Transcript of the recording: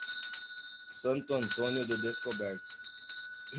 Santo Antônio do Descoberto